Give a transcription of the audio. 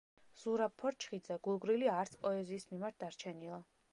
ზურაბ ფორჩხიძე, გულგრილი არც პოეზიის მიმართ დარჩენილა.